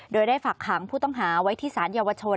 โดยได้ฝักขังผู้ต้องหาไว้ที่สารเยาวชน